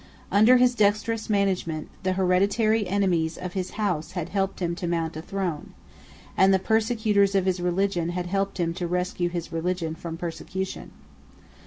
Under his dexterous management the hereditary enemies of his house had helped him to mount a throne; and the persecutors of his religion had helped him to rescue his religion from persecution.